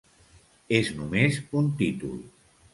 És només un títol.